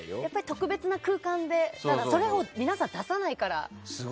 特別な空間でそれを皆さん出さないから。